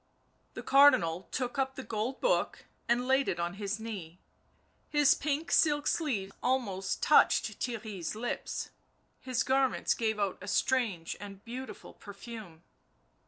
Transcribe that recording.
The Cardinal took up the gold book and laid it on his knee, his pink silk sleeve almost touched Theirry's lips ... his garments gave out a strange and beauti ful perfume.